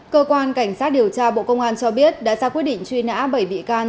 cơ quan cảnh sát điều tra bộ công an cho biết đã ra quyết định truy nã bảy bị can